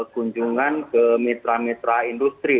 kunjungan ke mitra mitra industri